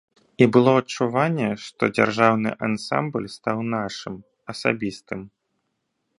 І было адчуванне, што дзяржаўны ансамбль стаў нашым, асабістым.